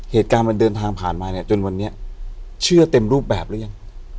เหตุการณ์มันเดินทางผ่านมาเนี่ยจนวันนี้เชื่อเต็มรูปแบบหรือยัง